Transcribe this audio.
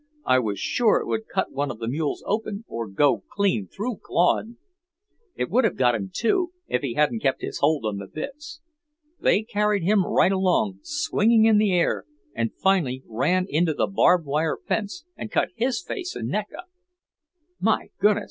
I was sure it would cut one of the mules open, or go clean through Claude. It would have got him, too, if he hadn't kept his hold on the bits. They carried him right along, swinging in the air, and finally ran him into the barb wire fence and cut his face and neck up." "My goodness!